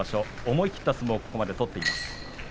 思い切った相撲でここまできています。